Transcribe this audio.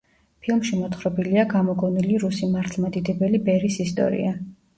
ფილმში მოთხრობილია გამოგონილი რუსი მართლმადიდებელი ბერის ისტორია.